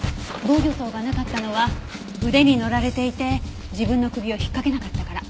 防御創がなかったのは腕に乗られていて自分の首を引っかけなかったから。